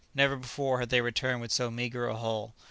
Never before had they returned with so meagre a haul.